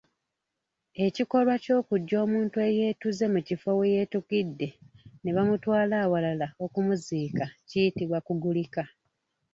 Ekikolwa ky’okujja omuntu eyeetuze mu kifo we yeetugidde ne bamutwala awalala okumuziika kiyitibwa Kugulika.